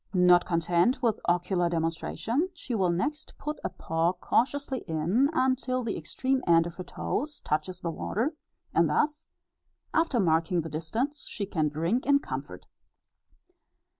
Not content with ocular demonstration, she will next put a paw cautiously in, until the extreme end of her toes touches the water, and thus, after marking the distance, she can drink in comfort.